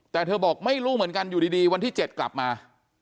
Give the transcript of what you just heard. แต่เธอบอกไม่รู้เหมือนกันอยู่ดีวันที่๗กลับมา